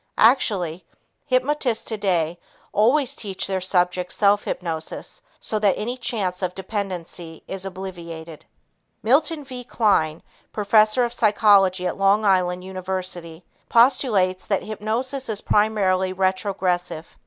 Actually, hypnotists today always teach their subjects self hypnosis so that any chance of dependency is obviated. Milton V. Kline, professor of psychology at Long Island University, postulates that hypnosis is primarily retrogressive.